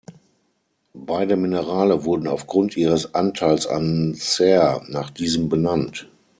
Beide Minerale wurden aufgrund ihres Anteils an Cer nach diesem benannt.